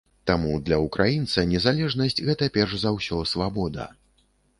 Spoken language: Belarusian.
Таму для украінца незалежнасць гэта перш за ўсё свабода.